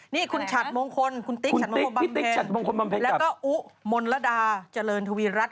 นี่คุณฉัดมงคลคุณติ๊กฉัดมงคลบำแพงแล้วก็อุ๊มนรดาเจริญทวีรัฐ